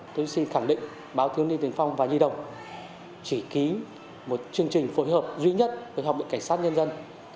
tôi xin khẳng định báo thiếu niên tiền phong và nhi đồng chỉ ký một chương trình phối hợp duy nhất với học viện cảnh sát nhân dân